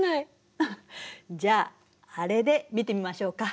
じゃあアレで見てみましょうか？